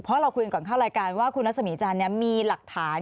เพราะเราคุยกันก่อนเข้ารายการว่าคุณรัศมีจันทร์มีหลักฐาน